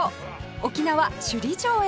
沖縄首里城へ